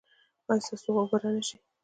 ایا ستاسو خوب به را نه شي؟